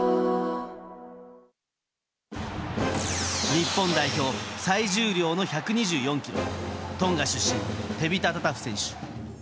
日本代表、最重量の１２４ｋｇトンガ出身、テビタ・タタフ選手。